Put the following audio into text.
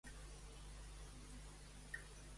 Quan va fer Carmen els articles per a la revista?